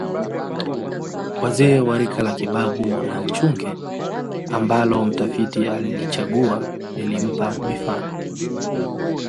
Wazee wa rika la Kibabu na Nchunge ambalo mtafiti alilichagua lilimpa mifano